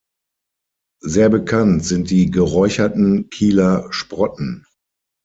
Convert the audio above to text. Sehr bekannt sind die geräucherten Kieler Sprotten.